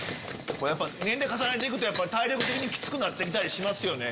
年齢重ねて行くと体力的にきつくなって来たりしますよね？